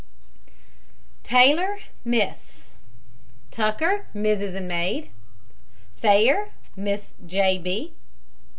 TAYLOR, MISS. TUCKER, MRS., and maid. THAYER, MRS. J. B.